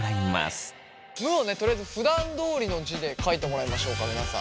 「む」をねとりあえずふだんどおりの字で書いてもらいましょうか皆さん。